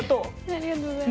ありがとうございます。